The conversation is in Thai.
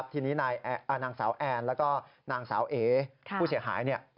ทีนี้นางสาวแอนแล้วก็นางสาวเอ๋ผู้เสียหาย